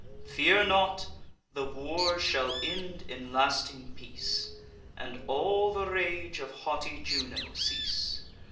Fear not! The war shall end in lasting peace, And all the rage of haughty Juno cease.